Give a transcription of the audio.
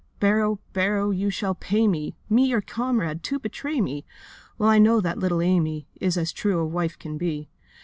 'Barrow, Barrow, you shall pay me! Me, your comrade, to betray me! Well I know that little Amy Is as true as wife can be.